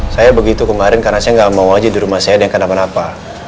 saya begitu kemarin karena saya nggak mau aja di rumah saya ada yang kenapa napa